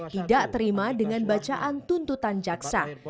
tidak terima dengan bacaan tuntutan jaksa